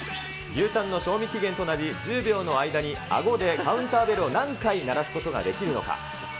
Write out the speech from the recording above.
牛タンの賞味期限と同じ１０秒の間にあごでカウンターベルを何回鳴らすことができるのか。